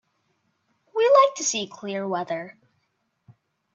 We like to see clear weather.